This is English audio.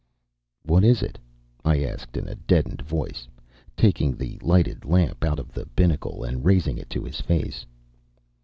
"What is it?" I asked in a deadened voice, taking the lighted lamp out of the binnacle, and raising it to his face.